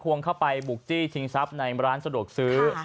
วงเข้าไปบุกจี้ชิงทรัพย์ในร้านสะดวกซื้อ